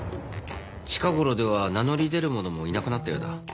近ごろでは名乗り出る者もいなくなったようだ。